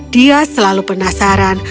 dia selalu penasaran